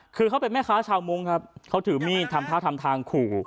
คือเขาเป็นแม่ค้าชาวมุ้งครับเขาถือมีดทำท่าทำทางขู่